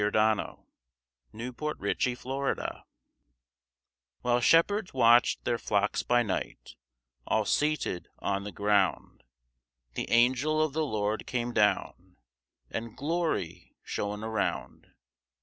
Frances Alexander_ CHRISTMAS While shepherds watch'd their flocks by night, All seated on the ground, The angel of the Lord came down, And glory shone around.